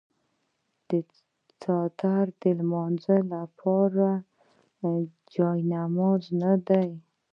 آیا څادر د لمانځه لپاره جای نماز نه دی؟